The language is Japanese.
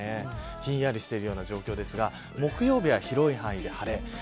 ひんやりしているような状況ですが木曜日は広い範囲で晴れ。